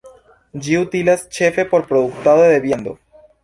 Ĝi utilas ĉefe por produktado de viando.